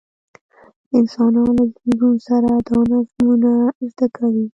انسانان له زېږون سره دا نظمونه زده کوي.